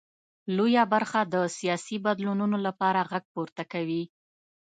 لویه برخه د سیاسي بدلونونو لپاره غږ پورته کوي.